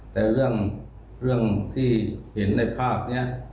แต่เรื่องที่เห็นในภาพนี้